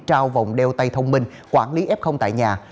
trao vòng đeo tay thông minh quản lý f tại nhà